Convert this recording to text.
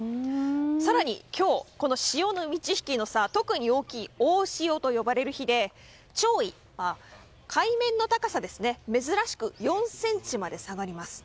更に、今日潮の満ち引きの差が特に大きい大潮と呼ばれる日で潮位、海面の高さですね珍しく４ｃｍまで下がります。